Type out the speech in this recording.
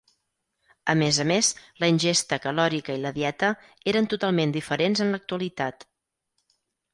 A més a més, la ingesta calòrica i la dieta eren totalment diferents en l’actualitat.